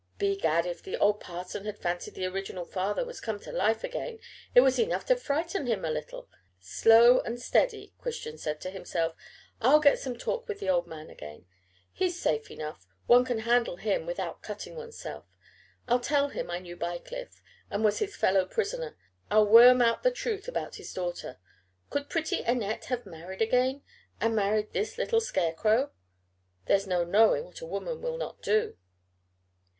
"Begad, if the old parson had fancied the original father was come to life again, it was enough to frighten him a little. Slow and steady," Christian said to himself; "I'll get some talk with the old man again. He's safe enough: one can handle him without cutting one's self. I'll tell him I knew Bycliffe, and was his fellow prisoner. I'll worm out the truth about this daughter. Could pretty Annette have married again, and married this little scare crow? There's no knowing what a woman will not do."